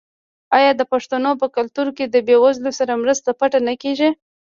آیا د پښتنو په کلتور کې د بې وزلو سره مرسته پټه نه کیږي؟